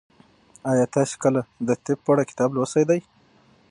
ایا تاسي کله د طب په اړه کتاب لوستی دی؟